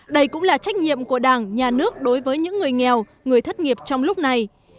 đây cũng là trách nhiệm của đảng nhà nước đối với những người nghèo người thất nghiệp trong lúc này